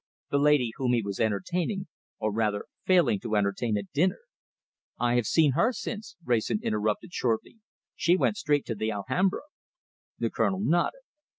The lady whom he was entertaining, or rather failing to entertain, at dinner " "I have seen her since," Wrayson interrupted shortly. "She went straight to the Alhambra." The Colonel nodded.